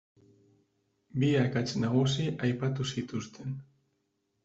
Bi akats nagusi aipatu zituzten.